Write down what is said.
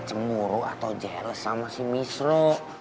cemburu atau jeles sama si misru